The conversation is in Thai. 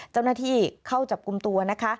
เจ้าหน้าที่เข้าจับกลุ่มตัวนะคะ